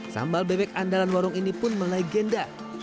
sambal bebek andalan warung ini pun melegenda